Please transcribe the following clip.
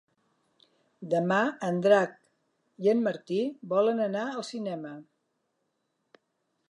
Demà en Drac i en Martí volen anar al cinema.